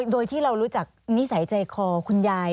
โดยที่เรารู้จักนิสัยใจคอคุณยาย